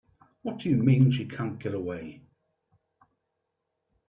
What do you mean she can't get away?